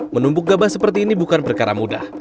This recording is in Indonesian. menumbuk gabah seperti ini bukan perkara mudah